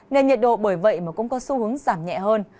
nên nhiệt độ bởi vậy mà cũng có xu hướng giảm nhẹ hơn